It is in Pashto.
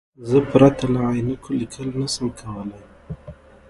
زه پرته له عینکو لیکل نشم کولای.